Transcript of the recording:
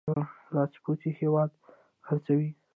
د ګاونډیو لاسپوڅي هېواد خرڅوي.